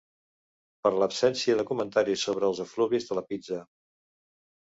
Per l'absència de comentaris sobre els efluvis de la pizza.